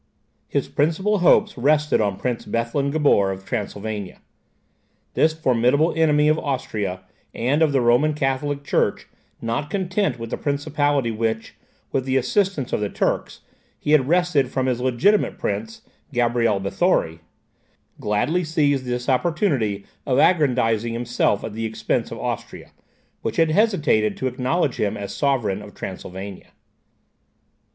His principal hopes rested on Prince Bethlen Gabor of Transylvania. This formidable enemy of Austria, and of the Roman Catholic church, not content with the principality which, with the assistance of the Turks, he had wrested from his legitimate prince, Gabriel Bathori, gladly seized this opportunity of aggrandizing himself at the expense of Austria, which had hesitated to acknowledge him as sovereign of Transylvania.